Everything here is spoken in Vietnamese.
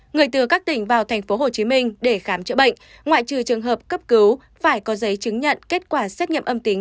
người từ các tỉnh vào tp hcm để khám chữa bệnh ngoại trừ trường hợp cấp cứu phải có giấy chứng nhận kết quả xét nghiệm âm tính